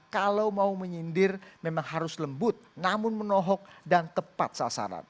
kalau mau menyindir memang harus lembut namun menohok dan tepat sasaran